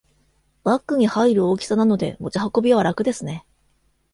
バッグに入る大きさなので持ち運びは楽ですね